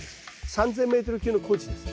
３０００メートル級の高地です。